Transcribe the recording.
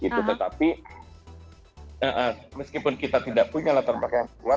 tetapi meskipun kita tidak punya latar belakang yang kuat